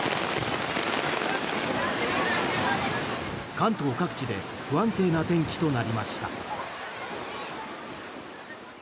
関東各地で不安定な天気となりました。